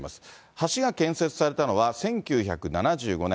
橋が建設されたのは１９７５年。